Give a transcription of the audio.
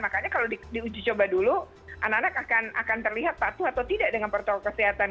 makanya kalau diuji coba dulu anak anak akan terlihat patuh atau tidak dengan protokol kesehatan